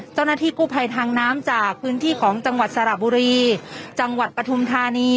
เจ้าหน้าที่กู้ภัยทางน้ำจากพื้นที่ของจังหวัดสระบุรีจังหวัดปฐุมธานี